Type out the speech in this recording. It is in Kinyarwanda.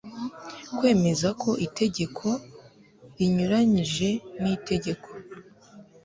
kwemeza ko itegeko rinyuranyije n itegeko